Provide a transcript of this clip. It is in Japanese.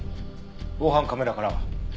防犯カメラからは？